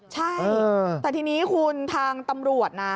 ใช่แต่ทีนี้คุณทางตำรวจนะ